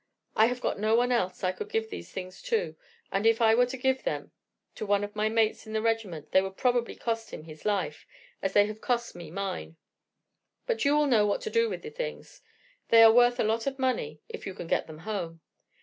I have got no one else I could give the things to, and if I were to give them to one of my mates in the regiment they would probably cost him his life, as they have cost me mine. But you will know what to do with the things; they are worth a lot of money if you can get them home.